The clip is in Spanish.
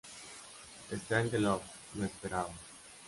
Strangelove lo esperaba.